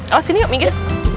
awas sini yuk minggir